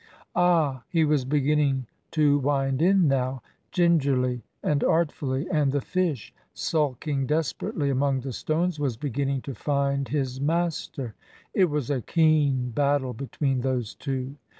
Ah! he was beginning to wind in now, gingerly and artfully, and the fish, sulking desperately among the stones, was beginning to find his master. It was a keen battle between those two.